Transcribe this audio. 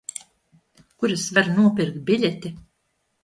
Kur es varu nopirkt biļeti?